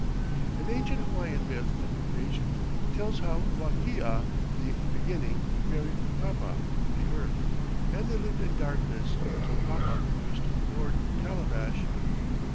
An ancient Hawaiian myth of the creation tells how Wakea, "the beginning," married Papa, "the earth," and they lived in darkness until Papa produced a gourd calabash.